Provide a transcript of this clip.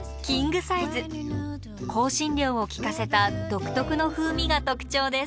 香辛料を利かせた独特の風味が特徴です。